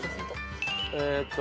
えっと。